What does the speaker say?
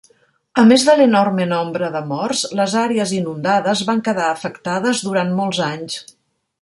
A més de l'enorme nombre de morts, les àrees inundades van quedar afectades durant molts anys.